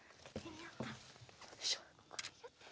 よいしょ。